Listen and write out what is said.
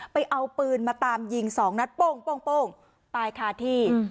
ไปเอาปืนมาตามยิงสองนัดปุ้งปุ้งปุ้งตายขาดที่